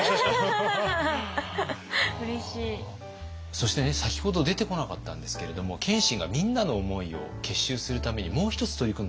そしてね先ほど出てこなかったんですけれども謙信がみんなの思いを結集するためにもう一つ取り組んだことがあって。